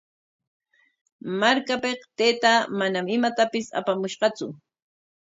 Markapik taytaa manam imatapis apamushqatsu.